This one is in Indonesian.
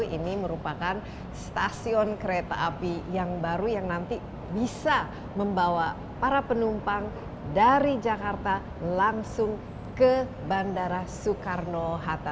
ini merupakan stasiun kereta api yang baru yang nanti bisa membawa para penumpang dari jakarta langsung ke bandara soekarno hatta